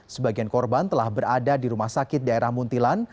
sebagian korban telah berada di rumah sakit daerah muntilan